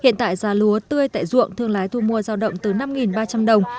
hiện tại giá lúa tươi tại ruộng thương lái thu mua giao động từ năm ba trăm linh đồng